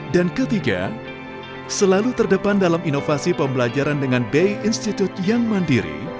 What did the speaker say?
dan ketiga selalu terdepan dalam inovasi pembelajaran dengan b i institute yang mandiri